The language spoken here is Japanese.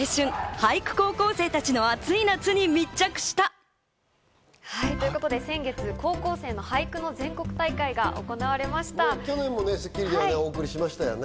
俳句高校生たちの熱い夏に密着した。ということで先月、高校生の去年も『スッキリ』でお送りしましたね。